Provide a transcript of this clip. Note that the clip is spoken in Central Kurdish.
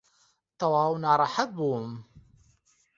تەواو ناڕەحەت بووم.